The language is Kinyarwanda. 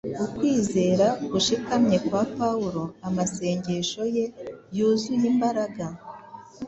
Ukwizera gushikamye kwa Pawulo, amasengesho ye yuzuye imbaraga,